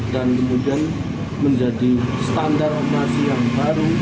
dan kemudian menjadi standar operasi yang baru